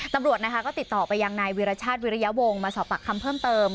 ตำรวจนะคะก็ติดต่อไปยังนายวิรชาติวิริยาวงศ์มาสอบปากคำเพิ่มเติม